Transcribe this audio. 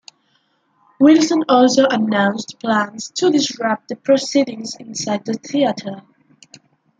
Wilson also announced plans to disrupt the proceedings inside the theater.